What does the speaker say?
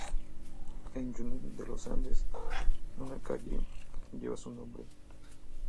En Junín de los Andes una calle lleva su nombre.